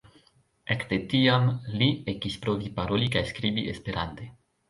Ekde tiam, Li ekis provi paroli kaj skribi esperante.